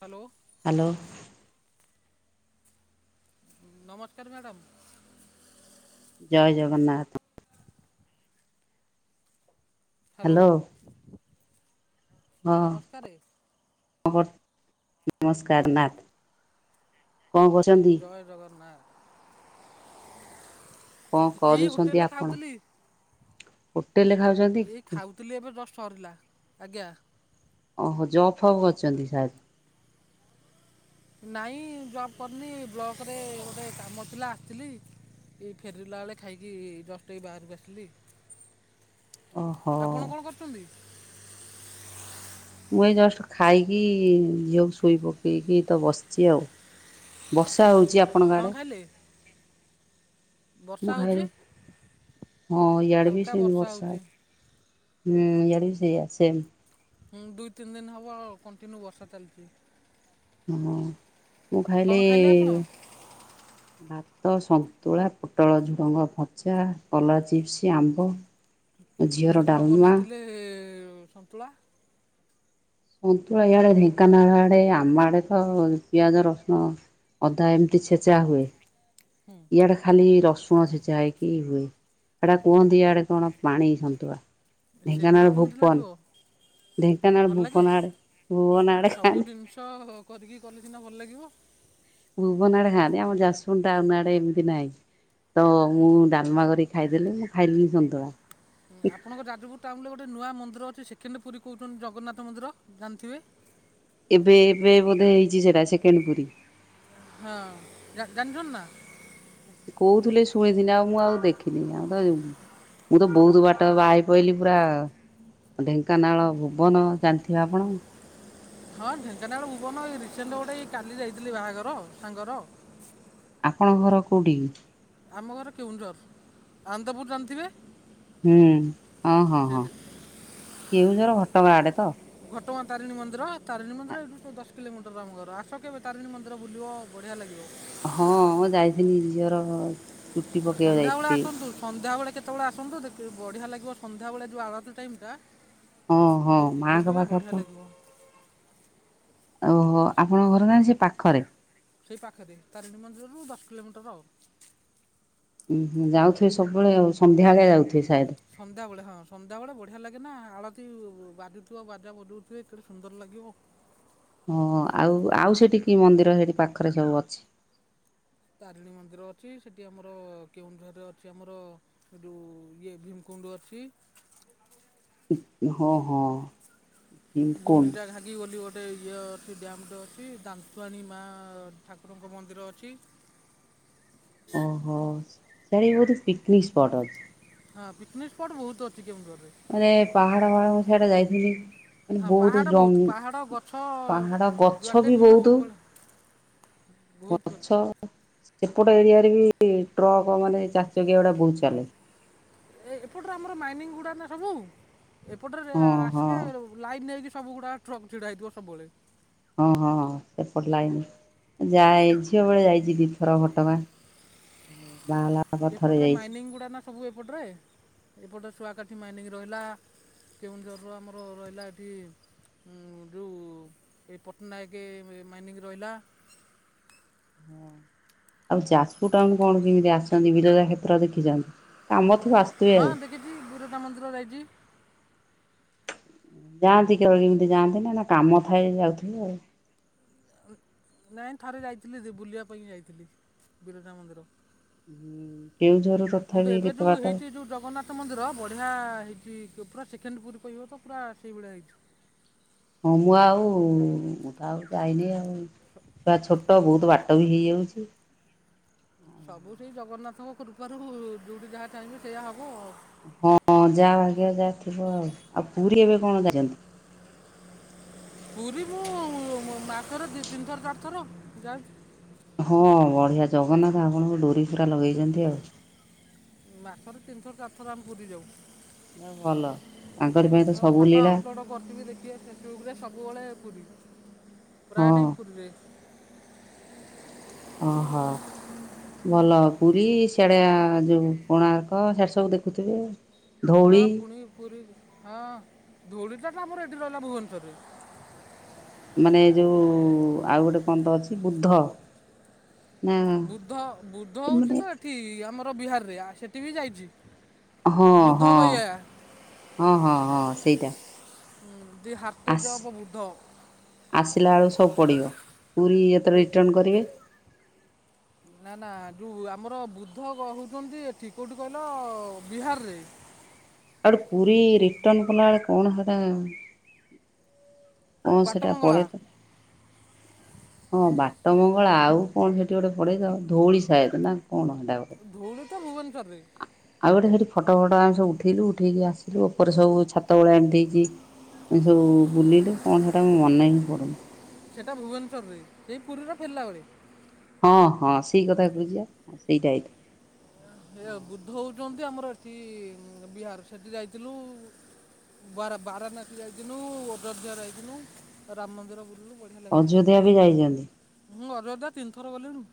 Hello. Hello. ନମସ୍କାର୍ madam. ଜୟ Jagannath. Hello hello. ହଁ। ନମସ୍କାର [inaudible] ନମସ୍କାର ନାଥ୍, କଣ କରଛ ଜୟ ଜଗନ୍ନାଥ। କଣ ଏଇ କରୁଛନ୍ତି ହୋଟେଲରେ ଆପଣ? ଖାଉଥିଲି ହୋଟେଲ୍ ରେ ଖାଉ ଏଇ ଖାଉଥିଲି ଏବେ ଜଷ୍ଟ ସରିଲା। ଆଜ୍ଞା। ଓହୋ ଜବ୍ ହବ୍ କରିଛନ୍ତି ସାର୍। ନାଇଁ ଜବ୍ କରିନି, ଏଇ ବ୍ଲକ୍ ରେ ଗୋଟେ କାମ ଥିଲା, ଆସିଥିଲି। ଏଇ ଫେରିଲା ବେଳେ ଖାଇକି ଜଷ୍ଟ ଏଇ ବାହାରକୁ ଆସିଲି। ଓହୋ ଆପଣ କଣ କରୁଚନ୍ତି? ମୁଁ ଏଇ ଜଷ୍ଟ ଖାଇକି ଝିଅକୁ ଶୋଇ ପକେଇକି ତ ବସିଛି ଆଉ। ବର୍ଷା ହଉଚି ଆପ୍ କଣ ଖାଇଲେ ମୁଁ ବର୍ଷା ଖାଇଲି ହଉଚି? ହଁ ଇଆଡ଼େ ବି ସେମ୍ ବର୍ଷା, ହୁଁ, ଇଆଡ଼େ ବି ସେଇଆ ସେମ୍। ହୁଁ ଦୁଇ ତିନି ଦିନ ହବ କଣ୍ଟିନ୍ୟୁ ବର୍ଷା ଚାଲଚି। ହଁ ମୁଁ କ'ଣ ଖାଇଲି ଖାଇଲେ ଆପଣ ଭା ତ ସନ୍ତୁଳା, ପୋଟଳ ଝୁଡ଼ୁଙ୍ଗ ଭଜା, କଲରା ଚିପ୍ସ, ଆମ୍ବ ଝିଅର ଡାଲମା ଏ ସନ୍ତୁଳା ସନ୍ତୁଳା ଇଆଡେ ଢେଙ୍କାନାଳ ଆଡେ ଆମ ଆଡେ ତ ପିଆଜ ରସୁଣ ଅଦା ଏମ୍ତି ଛେଚା ହୁଏ। ହୁଁ। ଇଆଡେ ଖାଲି ରସୁଣ ଛେଚା ହେଇକି ହୁଏ। ସେଟା କୁହନ୍ତି ଇଆଡେ କଣ ପାଣି ସନ୍ତୁଳା। ସେଗୁଡ଼ା ଢେଙ୍କାନାଳ କେମିତି ଭୁପନ, ଲାଗିବ ଢେଙ୍କାନାଳ ଭଲ ଭୁପନ ଆଡେ ଭୁବନ ଆଡେ [inaudible] ମୁସ ହୋ ହୋ କରିକି କଲେ ସିନା ଭଲ ଲାଗିବ। ଭୁବନ ଆଡେ ଖାଆନ୍ତି। ଆମ ଯାଜ୍ ପୁରୁ ଟାଉନ୍ ଆଡେ ଏମିତି ନାଇଁ। ତ ମୁଁ ଡାଲ୍‌ମା କରିକି ଖାଇଦେଲି, ମୁଁ ଖାଇଲିିନି ସନ୍ତୁଳା। ଆପଣଙ୍କ ଯାଜପୁର ଟାଉନ୍ ରେ ଗୋଟେ ନୂଆ ମନ୍ଦିର ଅଛି, ସେକେଣ୍ଡେ ପୁରୀ କହୁଛନ୍ତି, ଜଗନ୍ନାଥ ମନ୍ଦିର ଜାଣିଥିବେ? ଏବେ ଏବେ ବୋଧେ ହେଇଚି ସେଟା, ସେକେଣ୍ଡ ପୁରୀ। ହଁ ଜାନିଛନା? କହୁଥିଲେ ଶୁଣିଥିନି ଆଉ ମୁଁ ଆଉ ଦେଖିନି ଆଉ ତ ଯୋଉ ମୁଁ ତ ବହୁତ ବାଟ ବାହା ହେଇ ପଇଲିି ପୁରା ଢେଙ୍କାନାଳ ଭୁବନ ଜାଣିଥିବେ ଆପଣ? ହଁ ଢେଙ୍କାନାଳ ଭୁବନ ଏଇ ରିସେଣ୍ଟ ଗୋଟେ ଇ କାଲି ଯାଇଥିଲି ବାହାଘର ସାଙ୍ଗର। ଆପଣଙ୍କ ଘର କୋଉଠି କି? ଆମ ଘର କେଉଁଝର। ଆନନ୍ଦପୁର ଜାଣିଥିବେ? ହୁଁ ହଁ ହଁ ସେ ହଁ କେଉଁଝର ଘଟଗାଁ ଆଡେ ତ? ଘଟଗାଁ ତାରିଣୀ ମନ୍ଦିର ତାରିଣୀ ମନ୍ଦିର ଏଇଠୁୁ ଦଶ କିଲୋମିଟର ଆମ ଘର ଆସ କେବେ ତାରିଣୀ ମନ୍ଦିର ବୁଲିବ ବଢ଼ିଆ ଲାଗିବ। ହଁ ମୁଁ ଯାଇଥିନି ଝିଅର ଚୁଟି ପକେଇବାକୁ ସନ୍ଧ୍ୟାବଳେ ଯାଇଥିଲି। ଆସନ୍ତୁ ସନ୍ଧ୍ୟାବଳେ କେତବଳେ ଆସନ୍ତୁ ଦେଖିବେ ବଢ଼ିଆ ଲାଗିବ ସନ୍ଧ୍ୟାବଳେ ଯୋଉ ଆଳତି ଟାଇମ ଟା ହଁ ହଁ ବୁ- ମାଆଙ୍କ ବୁଲିବେ ପାଖରେ ତ ବଢ଼ିଆ ଲାଗିବ। ଓହୋ! ଆପଣଙ୍କ ଘର ଟା ସେ ପାଖରେ। ସେହି ପାଖେରେ ତାରିଣୀ ମନ୍ଦିରରୁ ଦଶ୍ କିଲୋମିଟର ଆଉ। ଉଁହୁଁ ଯାଉଥିବେ ସବୁବେଳେ ଆଉ ସନ୍ଧ୍ୟାବେଳିଆ ଯାଉଥିବେ ସାଏଦ। ସନ୍ଧ୍ୟାବଳେ ହଁ ସନ୍ଧ୍ୟାବଳେ ବଢ଼ିଆ ଲାଗେ ନା ଆଳତି ବାଜୁଥିବ ବାଜା ବଜଉଥିବେ କେଡ଼େ ସୁନ୍ଦର ଲାଗିବ। ହୁଁ ଆଉ ଆଉ ସେଠି କି ମନ୍ଦିର ସେଠି ପାଖରେ ସବୁ ଅଛି। ତାରିଣୀ ମନ୍ଦିର ଅଛି ସେଠି ଆମର କେଉଁଝରରେ ଅଛି ଆମର ଏ ଯୋଉ ଇଏ ଭୀମ୍କୁଣ୍ଡ୍ ଅଛି। ହଁ ହଁ। ଭୀମକୁଣ୍ଡ ଗୁଣ୍ଡିଚା ଘା [unintelligible] ବୋଲି ଗୋଟେ ଇଏ ଅଛି ଡ୍ୟାମ୍ ଟେ ଅଛି, ଦାନ୍ତୁଆଣି ମା ଠାକୁରଙ୍କ ମନ୍ଦିର ଅଛି। ଓହୋ ସିଆଡିକି ବୋଧେ ପିକନିକ୍ ସ୍ପଟ୍ ଅଛି। ହଁ ପିକ୍ନିକ୍ ସ୍ପଟ୍ ବହୁତ୍ ଅଛି କେଉଁଝରରେ। ମାନେ ପାହାଡ-ପାହାଡ ମୁଁ ସେଇଟା ଯାଇଥିଲି। ମାନେ ହଁ ବହୁତ ପାହାଡ଼ ବହୁତ୍ ଜଙ୍ଗ ପାହାଡ଼ ଗଛ ପାହାଡ ଗଛ ଯୁଆଡେ ବି ଯିବେ ବହୁତ ସବୁବେଳେ ବହୁତ୍ ଗଛ। ସେପଟ ଏରିଆରେ ବି ଟ୍ରକ ମାନେ ଚାରିଚକିଆ ଗୁଡା ବହୁତ୍ ଚାଲେ। ଏ ଏପଟରେ ଆମର ମାଇନିଂ ଗୁଡ଼ା ନା ସବୁ। ଏପଟରେ ହଁ ହଁ ଆସିବେ ଲାଇନ୍ ହେଇକି ସବୁଗୁଡ଼ାକ ଟ୍ରକ୍ ଛିଡ଼ା ହେଇଥିବ ସବୁବେଳେ। ହଁ-ହଁ ସେପଟ୍ ଲାଇନ୍ ଯାଏ ଝିଅବେଳେ ଯାଇଚି ଦି ଥର ଘଟଗାଁ ବାଲା ଏପଟରେ ମାଇନିଂ ଗୁଡ଼ା ନା ସବୁ ଏପଟରେ, ଏପଟରେ ଶୁଆକାଠି ମାଇନିଂ ରହିଲା। କେଉଁଝରରୁ ଆମର ରହିଲା ଏଠି ଉଁ ଯୋଉ ଏ ପଟ୍ଟନାୟକ ମାଇନିଂ ରହିଲା। ହଁ। ଆଉ ଯାଜପୁର ଟାଉନ୍ କଣ କେମିତି ଆସନ୍ତି ବିରଜା କ୍ଷେତ୍ର ଦେଖିଚନ୍ତି କାମ ଥିବ ଆସ୍ ହଁ ଦେଖିଛି ବିରଜା ମନ୍ଦିର ଯାଇଚି। ଯାଆନ୍ତି କେବେ କେମିତି ଯାଆନ୍ତି ନାଁ ନାଁ କାମ ଥାଏ ଯାଉଥିବେ ଆଉ। ଆଉ ନାଇଁ ଥରେ ଯାଇଥିଲି ଯେ ବୁଲିବା ପାଇଁ ଯାଇଥିଲି ବିରଜା ମନ୍ଦିର। କେଉଁଝରରୁ କିନ୍ତୁ ତଥାପି ଏବେ କେତେ ଯୋଉ ବାଟ? ହେଇଚି ଯୋଉ ଜଗନ୍ନାଥ ତ ମନ୍ଦିର ବଢ଼ିଆ ହେଇଚି ଯୋ ପୁରା ସେକେଣ୍ଡ ପୁରୀ କହିବ ତ ପୁରା ସେଇଭଳିଆ ହେଇଚି। ମୁଁ ଆଉ ଉଁ ଆଉ ଯାଇନି ଆଉ ଛୁଆ ଛୋଟ ବହୁତ ବା [unintelligible] ବି ହେଇଯାଉଚି। ସବୁ ସେଇ ଜଗନ୍ନାଥଙ୍କ କୃପାରୁ ଯୋଉଠି ଯାହା ଚାହିଁବେ ସେଇଆ ହବ ଆଉ। ହଁ ଯାହା ଭାଗ୍ୟରେ ଯାହା ଥିବ ଆଉ, ଆଉ ପୁରୀ ଏବେ କଣ ଯାଇଚନ୍ତି? ପୁରୀ ମୁଁ ମାସରେ ଦି ତିନି ଥର ଚାରିଥର ଯାଏ। ହଁ ବଢିଆ ଜଗନ୍ନାଥ ଆପଣଙ୍କୁ ଡୋରି ପୁରା ଲଗେଇଛନ୍ତି ଆଉ। ମାସରେ ତିନିଥର ଚାରିଥର ଆମେ ପୁରୀ ଯାଉ। ଭଲ ତାଙ୍କରି ପାଇଁ ତ ଆଉ ସବୁ ଫଟୋ ଲୀଳା। ଅପଲୋଡ଼ କରିଥିବି ଦେଖିବେ ଫେସବୁକ୍ ରେ ସବୁବେଳେ ପୁରୀ ହଁ ପ୍ରାୟ ଟାଇମ୍ ପୁରୀରେ। ଓହ। ଭଲ ପୁରୀ ସିଆଡେ ଯୋଉ କୋଣାର୍କ ସିଆଡେ ସବୁ ଦେଖୁଥିବେ ଆଉ। ହଁ ପୁଣି ପୁରୀ ହଁ ଧଉଳିଟା ତ ଆମର ଏଠି ରହିଲା ଭୁବନେଶ୍ୱରରେ। ମାନେ ଏଯୋଉ ଆଉ ଗୋଟେ କଣ ତ ଅଛି ବୁଦ୍ଧ ନା ବୁଦ୍ଧ ବୁଦ୍ଧ ହଉଛି ମାନେ ତ ଏଠି ଆମର ବିହାରରେ ଆ ସେଠି ବି ଯାଇଛି। ହଁ ବୁଦ୍ଧ ହଁ ଗୟା ହଁ ହଁ ହଁ ସେଇଟା। ହୁଁ ଦି ହାତେ ଆସ ଯବ ବୁଦ୍ଧ। ଆସିଲା ବେଳକୁ ସବୁ ପଡ଼ିବ ପୁରୀ ଏତେବେଳେ ରିଟନ୍ କରିବେ। ନାଁ ନାଁ ଯୋଉ ଆମର ବୃଦ୍ଧ ହଉଛନ୍ତି ଏଠି କଉଠି କହିଲ ବିହାରରେ। ଆଉଗୁଟେ ପୁରୀ ରିଟନ୍ କଲାବେଳେ କଣ ହେଟା? ଓ ସେଟା ବାଟମଙ୍ଗଳା ପରେ ତ ହଁ ବାଟ ମଙ୍ଗଳା ଆଉ କଣ ସେଠି ଗୋଟେ ପଡେତ ଧଉଳି ସାଏଦ ନାଁ କଣ ହେଟାଗୁଟେ। ଧଉଳି ତ ଭୁବନେଶ୍ୱର ରେ। ଆଉ ଗୋଟେ ସେଠି ଫଟ ଫଟ ଆମେ ସବୁ ଉଠେଇଲୁ ଉଠେଇକି ଆସିଲୁ ଉପରେ ସବୁ ଛାତଭଳିଆ ଏମିତି ହେଇଛି। ଏ ସବୁ ବୁଲିଲୁ କଣ ସେଟା ମୁଁ ମନେ ହିଁ ପଡ଼ୁନି। ସେଟା ଭୁବନେଶ୍ୱରରେ ସେଇ ପୁରୀର ଫେରିଲା ବେଳେ। ହଁ ହଁ ସେଇ କଥା କହୁଛି ଆ ସେଇଟା ହେଇଥିବ ହେ ବୁଦ୍ଧ ହଉଛନ୍ତି ଆମର ଏଠି ବିହାର ସେଠି ଯାଇଥିଲୁ ବାରା ବାରାନାସୀ ଯାଇଥିଲୁ ଅଯୋଧ୍ୟା ଯାଇଥିଲିନୁ ରାମ ମନ୍ଦିର ବୁଲିଲୁ ପ ଅଯୋଧ୍ୟା ବି ଯାଇଚନ୍ତି? ହୁଁ ଅଯୋଧ୍ୟା ତିନି ଥର ଗଲିଣି।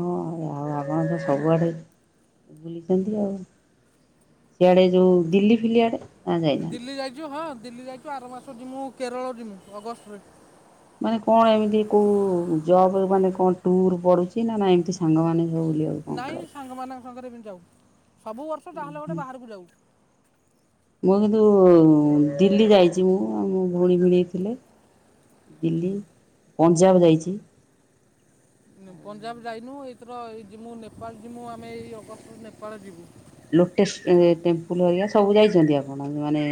ହଁ ଆଉ ଆପଣ ତ ସବୁଆଡେ ବୁଲିଛନ୍ତି ଆଉ। ସିଆଡେ ଯୋଉ ଦିଲ୍ଲୀ ଫିଲିଆଡେ? ଦିଲ୍ଲୀ ଯାଇଛୁ ହଁ ଦିଲ୍ଲୀ ଯାଇଛୁ ଆର ମାସ ଯିମୁ କେରଳ ଯିମୁ ଅଗଷ୍ଟରେ। ମାନେ କଣ ଏମିତି କୋଉ ଜବ ମାନେ କଣ ଟୁର୍ ପଡୁଛି ନାଁ ନାଁ ଏମତି ସାଙ୍ଗମାନେ ସବୁ ବୁଲିବାକୁ କଣ ନାଇଁ ଯାଉଛ? ସାଙ୍ଗମାନଙ୍କ ସାଙ୍ଗରେ ବି ଯାଉ ସବୁ ବର୍ଷ ଯାହେଲେ ଗୋଟେ ବାହାରକୁ ଯାଉ। ମୁଁ କିନ୍ତୁ ଦିଲ୍ଲୀ ଯାଇଛି ମୁଁ ମୋ ଭଉଣୀ ଭିଣେଇ ଥିଲେ। ଦିଲ୍ଲୀ ପଞ୍ଜାବ ଯାଇଛି। ପଞ୍ଜାବ ଯାଇନୁ ଏଥର ଏଇ ଯିମୁଁ ନେପାଳ ଯିମୁଁ ଆମେ ଏଇ ଅଗଷ୍ଟରେ ନେପାଳ ଯିବୁ। ଲୋଟେସ୍ ଟେମ୍ପୁଲ୍ ହେରିକା ସବୁ ଯାଇଛନ୍ତି ଆପଣ ମାନେ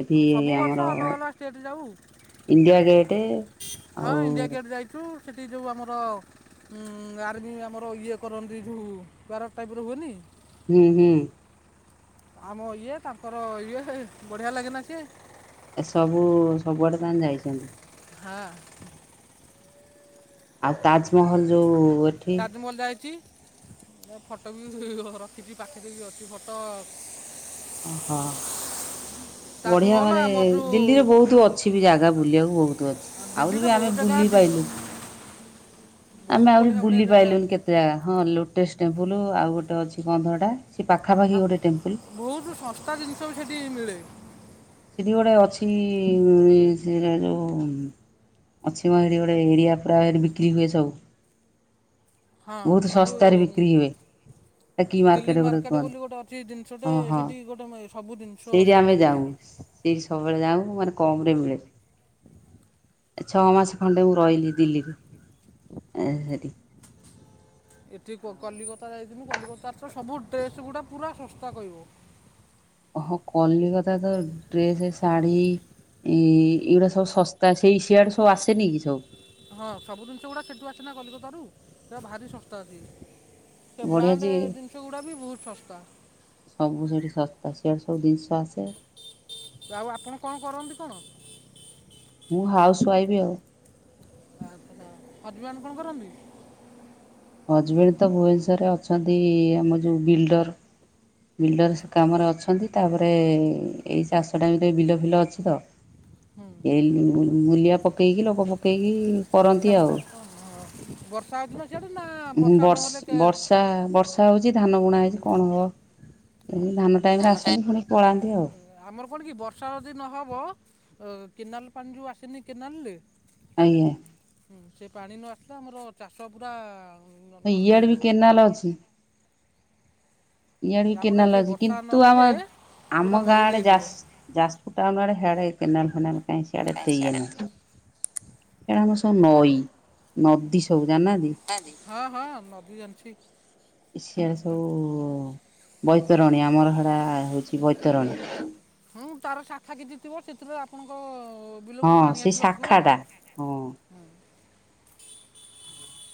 ଏଠି ସବୁ ବର୍ଷ ଆମର ଅଲଗା ଅଲଗା ଷ୍ଟେଟ୍ ଯାଉ ଇଣ୍ଡିଆ ଗେଟେ। ହଁ ଇଣ୍ଡିଆ ଗେଟ୍ ଯାଇଛୁ ସେଠି ଯଉ ଆମର ଉଁ ଆର୍ମି ଆମର ଇଏ କରନ୍ତି ଯୋଉ ପ୍ୟାରଟ ଟାଇପ୍ ର ହୁଏନି? ହୁଁ ହୁଁ। ଆମ ଇଏ ତାଙ୍କର ଇଏ ବଢିଆ ଲାଗେନା ସିଏ। ଏ ସବୁ ସବୁଆଡେ ତାନେ ଯାଇଛନ୍ତି। ହାଁ। ଆଉ ତାଜ୍ ମହଲ ଯଉଏଠି? ତାଜମହଲ ଯାାଇଛି ଫଟୋ ବି ହି ହି ରଖିଛି ପାଖରେ ବି ଅଛି ଫଟ ଓହୋ। ବଢିଆ ତାଜମହଲ ମାନେ ଆମର ଯେଉଁ ଦିଲ୍ଲୀରେ ବହୁତ୍ ଅଛି ବି ଜାଗା ବୁଲିବାକୁ ବହୁତ୍ ଅଛି। ଆହୁରି ଦିଲ୍ଲୀରେ ବି ଆମେ ବହୁତ ଜାଗା ବୁଲି ଅଛି ପାଇଲୁ ବହୁତ ଆମେ ଆହୁରି ବଢ଼ିଆ ବଢ଼ିଆ ବୁଲି ଜାଗା ଅଛି ପାଇଲୁନି କେ ଜାଗା ହଁ ଲୋଟସ୍ ଟେମ୍ପଲ୍ ଆଉ ଗୋଟେ ଅଛି କଣତ ହେଟା ସେ ପାଖାପାଖି ଗୋଟେ ଟେମ୍ପଲ୍। ବହୁତ୍ ଶସ୍ତା ଜିନିଷ ବି ସେଠି ମିଳେ। ସେଠି ଗୋଟେ ଅଛି ସେଟା ଯୋଉ ଅଛି ମ ହେଟି ଗୋଟେ ଏରିଆ ପୁରା ସେଠି ବିକ୍ରି ହୁଏ ସବୁ। ହଁ ବହୁତ୍ ସବୁ ଶସ୍ତାରେ ବିକ୍ରି ହୁଏ। କି ଦିଲ୍ଲୀ ମାର୍କେଟ ଗୋଟେ ବୋଲି କୁହନ୍ତି ଗୋଟେ ଅଛି ଜିନିଷଟେ ହଁ ହଁ ସେଠି ଗୋଟେ ମେ- ସବୁ ଜିନିଷ ସେଇଠି ସୁବିଧା ଆମେ ମିଳେ ଯାଉ। ସେଇଠି ସବୁବେଳେ ଯାଉ ମାନେ କମ୍ ରେ ମିଳେ। [inaudible] ଛଅ ମାସ ଖଣ୍ଡେ ମୁଁ ରହିଲି ଦିଲ୍ଲୀରେ ଏ ସେଟି। ଏଠି କଲିକତା ଯାଇଥଥିଲୁ କଲିକତାର ତ ସବୁ ଡ୍ରେସ୍ ଗୁଡ଼ା ପୁରା ଶସ୍ତା କହିବ। ଓହୋ କଲିକତା ତ ଡ୍ରେସ ଶାଢୀ ଏ ଏଇଗୁଡା ସବୁ ଶସ୍ତା ସେଇ ସିଆଡ ସବୁ ଆସେନି କି ସବୁ ହଁ ସବୁ ଜିନିଷ ଗୁଡ଼ା ସେଠୁ ଅଛି ନା କଲିକତାରୁ ସେ ଭାରି ଶସ୍ତା ଅଛି ସେ ବଢ଼ିଆ ଯେ ବ୍ରାଣ୍ଡର ଜିନିଷ ଗୁଡ଼ା ବି ବହୁତ ଶସ୍ତା ସବୁ ସେଠି ଶସ୍ତା ସେଆଡ ସବୁ ଜିନିଷ ଆସେ ଆଉ ଆପଣ କଣ କରନ୍ତି କଣ ମୁଁ ହାଉସ ୱାଇଫ୍ ଆଉ ଆଚ୍ଛା ହଜବାନ କଣ କରନ୍ତି ହଜବେଣ୍ଡ ତ ଭୁବନେଶ୍ୱରରେ ଅଛନ୍ତି ଆମ ଯେଉଁ ବିଲ୍ଡର ବିଲ୍ଡର ସେ କାମରେ ଅଛନ୍ତି ତାପରେ ଏଇ ଚାଷଟା ବିତି ବିଲ ଫିଲ ଅଛି ତ ହୁଁ ମୂଲିଆ ପକେଇକି ଲୋକ ପକେଇକି କାମ କରନ୍ତି ଆଉ କର- ହଁ ବର୍ଷା ଦିନ ସେଆଟା ନା ବର୍ଷା ବର୍ଷ ନହେଲେ କେ ବର୍ଷା ବର୍ଷା ହଉଛି ଧାନ ଗୁଣା ହେଇଛି କଣ ହବ ଧାନ ଟାଇମ ରେ ଆସନ୍ତି ପୁଣିିକି ପଳାନ୍ତି ଆଉ ଆମର କଣ କି ବର୍ଷା ଯଦି ନହେବ କେନାଲ ପାଣି ଯେଉଁ ଆସିନି କେନାଲରେ ଆଜ୍ଞା ହୁଁ ସେ ପାଣି ନ ଆସିଲା ଆମର ଚାଷ ପୁରା ନ- ନଷ୍ଟ ଇଆଡେ ବି ହେଇଯିବ କେନାଲ ଅଛି ହୁଁ, ଇଆଡେ ଆମର ସେ କେନାଲ ଅଛି ବର୍ଷା କିନ୍ତୁ ଆମ ନହେଲେ ପୁରା ଆମ ଗାଁ ମରୁଡ଼ି ଆଡେ ଯା ହେଇଯିବ ଯାଜପୁର ଟାଉନ୍ ଆଡେ ହିଆଡେ ଏ କେନଲ କେନାଲ ସେଆଡ଼େ କାଇଁ ଏତେ ଇଏ ସିଆଡ଼େ ନାହିଁ। ସିଆଡେ ଆମର ସବୁ ନଈ ନଦୀ ସବୁ ଜାଣି ନାହାନ୍ତି। ହଁ ହଁ ନଦୀ ଜଣିଛି। ଏ ସିଆଡେ ସବୁ ବୈତରଣୀ ଆମର ହେଡା ହଉଛି ବୈତରଣୀ। ହଁ ତାର ଶାଖା କିଛି ଥିବ ସେଥିରେ ଆପଣଙ୍କ ବିଲକୁ ହଁ ପାଣି ସେଇ ଆସିବାର ଥିବ ଶାଖା ଆଉ। ଟା ହଁ।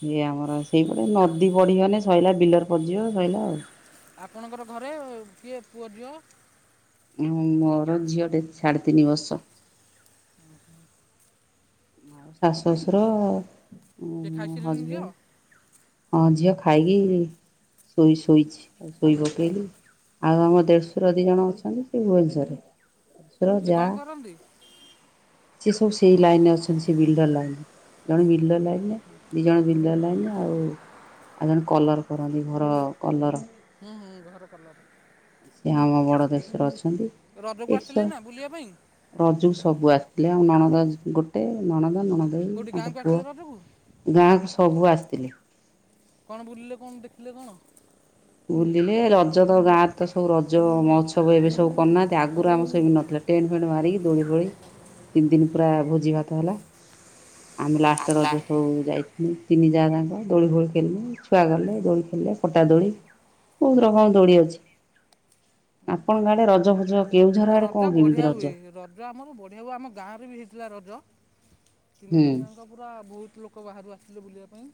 ଇଏ ଆମର ସେଇପଟେ ନଦୀ ବଢିଥିଲେ ସଇଲା ବିଲରେ ପସିଯିବ ସଇଲା ଆଉ। ଆପଣଙ୍କର ଘରେ କିଏ ପୁଅ ଝିଅ। ମୋର ଝିଅଟେ ସାଢ଼େ ତିନି ବର୍ଷ। ଓ ହୁ [inaudible] ଆଉ ଶାଶୁ, ଶଶୁର, ସେ ଖାଇସାରିଲେଣି ଝିଅ ହଜବେଣ୍ଡ ହଁ ଝିଅ ଖାଇକି ଶୋଇ ଶୋଇଛି ଆଉ ଶୋଇ ପକେଇଲି। ଆଉ ଆମ ଦେଢ଼ଶୁର ଦି ଜଣ ଅଛନ୍ତି ସେ ଭୁବନେଶ୍ୱରରେ। ର ସେ ଯା କଣ କରନ୍ତି ସିଏ ସବୁ ସେଇ ଲାଇନ ରେ ଅଛନ୍ତି। ସେ ବିଲଡର ଲାଇନ ଜଣେ ବିଲଡର ଲାଇନ ଦି ଜଣ ବିଲଡର ଲାଇନ ଆଉ ଆଉ ଜଣେ କଲର୍ କରନ୍ତି ଘର କଲର୍ ହୁଁ ହୁଁ ଘର କଲଟ ସେି ଆମ ବଡ ଦେଶରେ ରଜକୁ ଆସିଥିଲେ ଅଛନ୍ତିଷ ନା ବୁଲିବା ପାଇଁ ରଜକୁ ସବୁ ଆସିଥିଲେ ଆଉ ନଣଦା ଗୋଟେ ନଣଦା ନଣଦା ଏଇ କୋଉଠି ତାଙ୍କ ଗାଁକୁ ପୁଅ ଆସିଥିଲେ ରଜକୁ ଗାଁକୁ ସବୁ ଆସିଥିଲି। କଣ ବୁଲିଲେ କଣ ଦେଖିଲେ କଣ? ବୁଲିଲେ ରଜ ତ ଗାଁରେ ତ ସବୁ ରଜ ମହୋତ୍ସବ ଏବେ ସବୁ କରୁନାହାନ୍ତି ଆଗରୁ ଆମ ସେମିତି ନଥିଲା। ଟେଣ୍ଟ ଫେଣ୍ଟ ମାରିକି ଦୋଳି ଫୋଳି ତିନି ଦିନ ପୁରା ଭୋଜି ଭାତ ହେଲା। ଆମେ ଲାଷ୍ଟ ଆମଲା ରଜ ସବୁ ଯାଇଥିଲୁ। ତିନି ଯା ଯାଙ୍କ ଦୋଳି ଫୋଳି ଖେଳିଲୁ ଛୁଆ ଗଲେ ଦୋଳି ଖେଳିଲେ ପଟା ଦୋଳି। ବହୁତ ରକମ ଦୋଳି ଅଛି ଆପଣଙ୍କ ଆଡେ ରଜ ଫଜ କେଉଁଝର ଆଡେ କଣ ରଜ କେମିତି ବଢିଆ ହୁଏ ରଜ ରଜ ଆମର ବଢ଼ିଆ ହୁଏ ଆମ ଗାଁରେ ବି ହେଇଥିଲା ରଜ ତିନି ହୁଁ ଦିନିଆଙ୍କ। ପୁରା ବହୁତ ଲୋକ ବାହାରୁ ଆସିଥିଲେ ବୁଲିବା ପାଇଁ।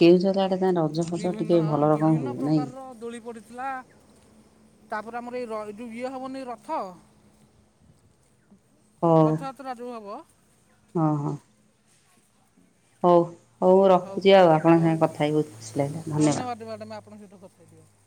କେଉଁଝର ଆଡେ କାଇଁ ରଜ ଫଜ ଟିକେ ବିଭିନ୍ନ ହଁ ଭଲ ରକମ ବିଭିନ୍ନ ହୁଏ ନାଇଁ କି? ପ୍ରକାରର ଦୋଳି ପଡିଥିଲା। ତାପରେ ଆମର ଏଇ ଯଉ ଇଏ ହବନି ରଥ। ହଉ ରଥଯାତ୍ରା ଯଉ ହବ ହଁ ହଁ ହଉ ହଉ ମୁ ରଖୁଛି ଆଉ ଆପଣଙ୍କ ହଉ ସାଙ୍ଗେ କଥା ହେଇ ବହୁତ ଖୁସି ଲାଗିଲା ଧନ୍ୟବାଦ। ମ୍ୟାଡ଼ାମ୍ ଆପଣଙ୍କ ସହିତ କଥାଇଦିବ [unintelligible]